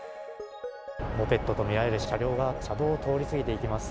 モペットとみられる車両が車道を通りすぎていきます。